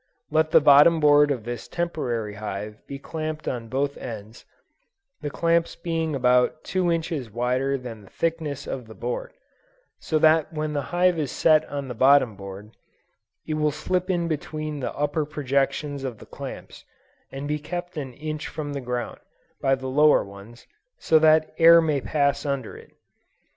Let the bottom board of this temporary hive be clamped on both ends, the clamps being about two inches wider than the thickness of the board, so that when the hive is set on the bottom board, it will slip in between the upper projections of the clamps, and be kept an inch from the ground, by the lower ones, so that air may pass under it.